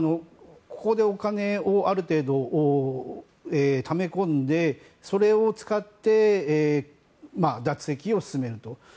ここでお金をある程度ため込んでそれを使って脱石を進めると。